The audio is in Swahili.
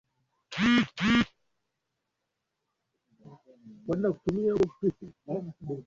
kwa kila njia ikiwamo mitandao ya kimataifa ya wanaharakati kuupinga mradi huo Hatimaye Benki